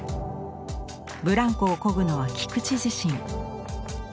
ブランコをこぐのは菊地自身。